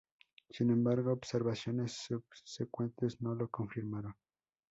Sin embargo, observaciones subsecuentes no lo confirmaron.